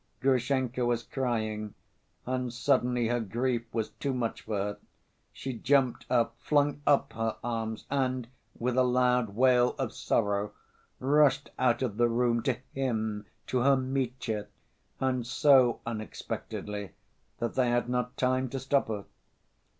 Grushenka was crying, and suddenly her grief was too much for her, she jumped up, flung up her arms and, with a loud wail of sorrow, rushed out of the room to him, to her Mitya, and so unexpectedly that they had not time to stop her.